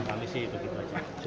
kami sih begitu aja